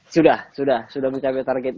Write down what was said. sudah sudah sudah mencapai target